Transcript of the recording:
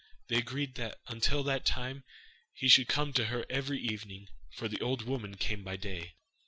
They agreed that until that time he should come to her every evening, for the old woman came by day.